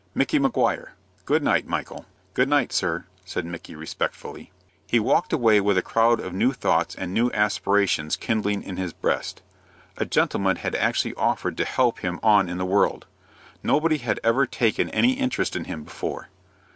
"Micky Maguire." "Good night, Michael." "Good night, sir," said Micky, respectfully. He walked away with a crowd of new thoughts and new aspirations kindling in his breast. A gentleman had actually offered to help him on in the world. Nobody had ever taken any interest in him before.